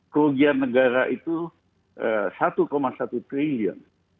kerugian negara itu satu satu triliun